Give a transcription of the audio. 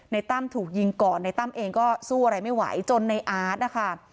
ตั้มถูกยิงก่อนในตั้มเองก็สู้อะไรไม่ไหวจนในอาร์ตนะคะ